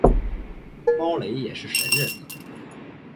猫雷也是神人了